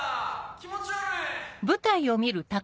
気持ち悪い！